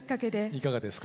いかがですか。